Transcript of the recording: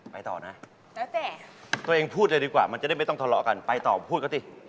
ไปต่อนะแล้วแต่ตัวเองพูดเลยดีกว่ามันจะได้ไม่ต้องทะเลาะกันไปต่อพูดเขาสิ